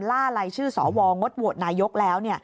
ล่าลายชื่อสวงดโหวตนายกแล้ว